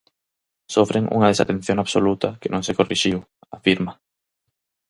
Sofren unha desatención absoluta que non se corrixiu, afirma.